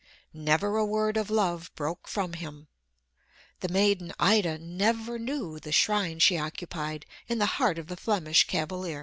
Never a word of love broke from him. The maiden Ida never knew the shrine she occupied in the heart of the Flemish cavalier.